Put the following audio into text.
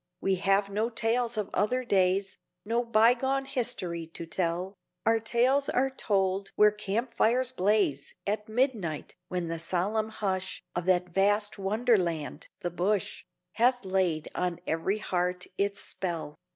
..... We have no tales of other days, No bygone history to tell; Our tales are told where camp fires blaze At midnight, when the solemn hush Of that vast wonderland, the Bush, Hath laid on every heart its spell.